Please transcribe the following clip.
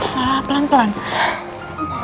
makanya aku kepulangin tangan otak saya